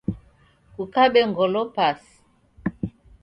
Kukabe ngolo pasi